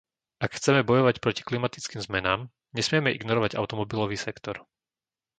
Ak chceme bojovať proti klimatickým zmenám, nesmieme ignorovať automobilový sektor.